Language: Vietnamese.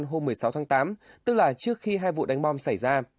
thái lan hôm một mươi sáu tháng tám tức là trước khi hai vụ đánh bom xảy ra